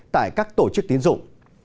tại các tổ chức tín dụng